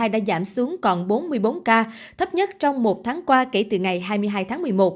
đã giảm xuống còn bốn mươi bốn ca thấp nhất trong một tháng qua kể từ ngày hai mươi hai tháng một mươi một